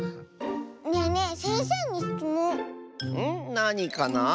なにかな？